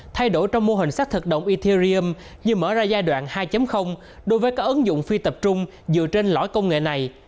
thay đổi trong mô hình xác thực động ethirum như mở ra giai đoạn hai đối với các ứng dụng phi tập trung dựa trên lõi công nghệ này